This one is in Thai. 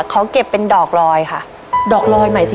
เขาเก็บเป็นดอกรอยค่ะ